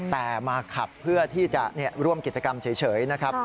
แต่มาขับเพื่อที่จะร่วมกิจกรรมเฉยนะครับ